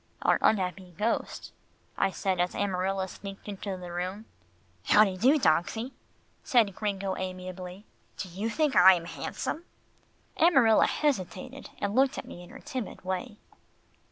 "Our unhappy ghost," I said as Amarilla sneaked into the room. "How de do, dogsie," said Gringo amiably. "Do you think I am handsome?" Amarilla hesitated, and looked at me in her timid way.